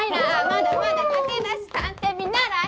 まだまだ駆け出し探偵見習い